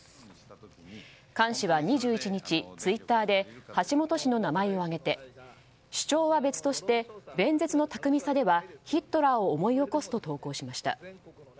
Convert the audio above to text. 菅氏は２１日、ツイッターで橋下氏の名前を挙げて主張は別として弁舌の巧みさではヒトラーを思い起こすと投稿しました。